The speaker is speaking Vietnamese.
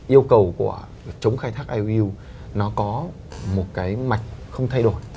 yêu cầu của chống khai thác iuu nó có một cái mạch không thay đổi